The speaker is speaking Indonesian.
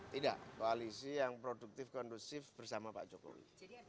tidak koalisi yang produktif kondusif bersama pak jokowi